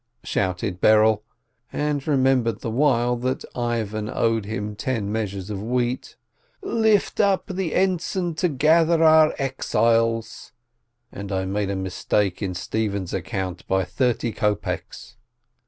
shouted Berel, and remembered the while that Ivan owed him ten measures of wheat. "... lift up the ensign to gather our exiles !..."— "and I made a mistake in Stephen's account by thirty kopeks